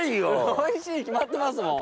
おいしいに決まってますもん！